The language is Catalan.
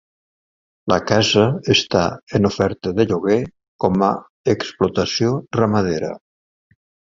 La casa està en oferta de lloguer com a explotació ramadera.